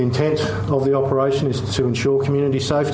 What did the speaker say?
inten operasi ini adalah untuk memastikan keamanan masyarakat